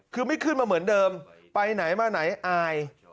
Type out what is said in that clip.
คือไม่ขึ้นมาเหมือนเดิมไปไหนมาไหนอาย